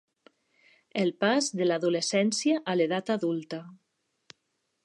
El pas de l'adolescència a l'edat adulta.